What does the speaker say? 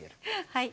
はい。